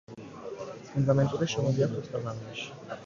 ფუნდამენტური შრომები აქვს ასტრონომიაში.